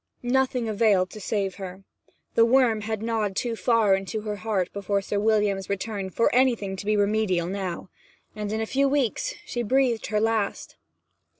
Nothing availed to save her. The worm had gnawed too far into her heart before Sir William's return for anything to be remedial now; and in a few weeks she breathed her last.